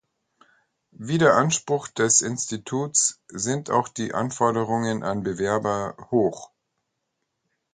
Wie der Anspruch des Instituts sind auch die Anforderungen an Bewerber hoch.